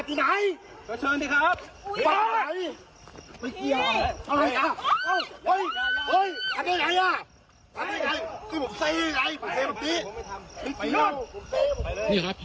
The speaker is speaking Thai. พี่เป็นอะไรไหม